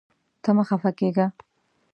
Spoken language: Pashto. ته مه خفه کېږه.